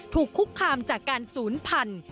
ถูกคุกคามจากการศูนย์พันธุ์